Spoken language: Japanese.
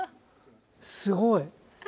すごい。